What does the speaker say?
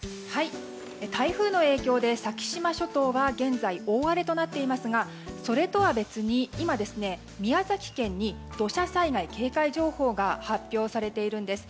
台風の影響で先島諸島は現在、大荒れとなっていますがそれとは別に今、宮崎県に土砂災害警戒情報が発表されているんです。